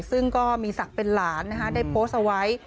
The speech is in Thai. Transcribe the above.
ซึ่งก็มีศักดิ์เป็นหลานได้โพสต์เอาไว้